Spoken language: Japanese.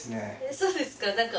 そうですか？